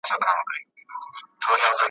داسي ډېر کسان پردي غمونه ژاړي ,